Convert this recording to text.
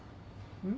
うん？